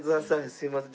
すいません。